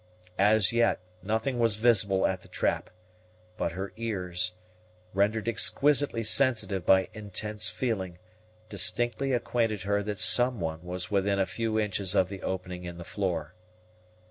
As yet, nothing was visible at the trap, but her ears, rendered exquisitely sensitive by intense feeling, distinctly acquainted her that some one was within a few inches of the opening in the floor.